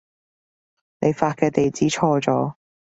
你發嘅地址錯咗